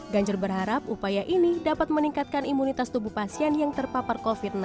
ganjar berharap upaya ini dapat meningkatkan imunitas tubuh pasien yang terpapar covid sembilan belas